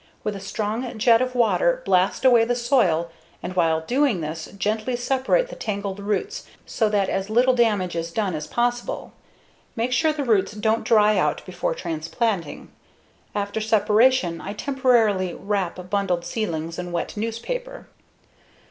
With a strong jet of water, blast away the soil and, while doing this, gently separate the tangled roots so that as little damage is done as possible. Make sure the roots don't dry out before transplanting. After separation, I temporarily wrap bundled seedlings in wet newspaper.